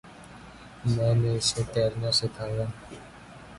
میں نے اسے تیرنا سکھایا۔